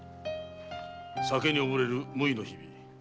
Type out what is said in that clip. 酒におぼれる無為の日々。